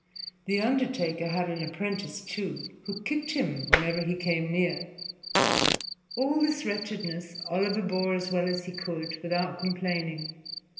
The undertaker had an apprentice, too, who kicked him whenever he came near. All this wretchedness Oliver bore as well as he could, without complaining.